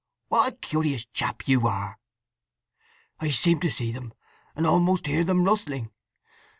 "What a curious chap you are!" "I seem to see them, and almost hear them rustling.